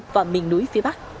và miền núi phía bắc